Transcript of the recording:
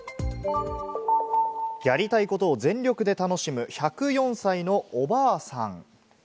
やりたいことを全力で楽しむ、１０４歳のおばあさん。